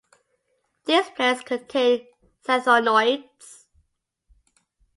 These plants contain xanthonoids.